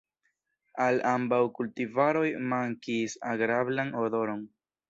Al ambaŭ kultivaroj mankis agrablan odoron.